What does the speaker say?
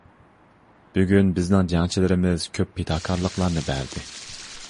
بۈگۈن بىزنىڭ جەڭچىلىرىمىز كۆپ پىداكارلىقلارنى بەردى.